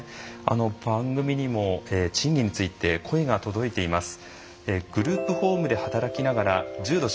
番組にも賃金について声が届いています。